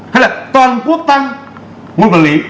hay là toàn quốc tăng